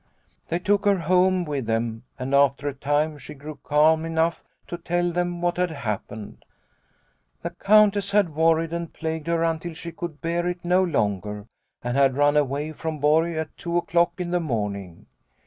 " They took her home with them, and after a time she grew calm enough to tell them what had happened. " The Countess had worried and plagued her until she could bear it no longer, and had run away from Borg at two o'clock in the morning.